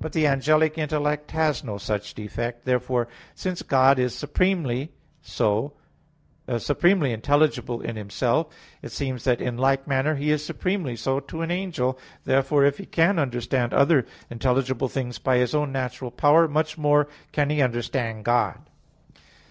But the angelic intellect has no such defect. Therefore, since God is supremely intelligible in Himself, it seems that in like manner He is supremely so to an angel. Therefore, if he can understand other intelligible things by his own natural power, much more can he understand God.